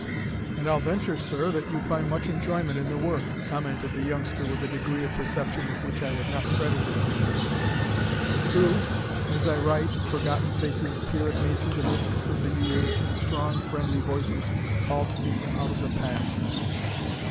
"And I'll venture, sir, that you find much enjoyment in the work," commented the youngster with a degree of perception with which I had not credited him. "True. As I write, forgotten faces peer at me through the mists of the years, and strong, friendly voices call to me from out of the past...."